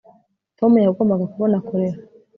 tom yagombaga kubona kolera